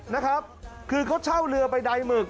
นะครับคือเขาเช่าเรือไปใดหมึก